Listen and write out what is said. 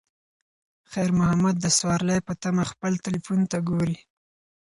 خیر محمد د سوارلۍ په تمه خپل تلیفون ته ګوري.